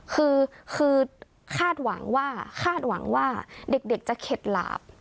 คือคาดหวังว่าเด็กจะเข็ดหลาบ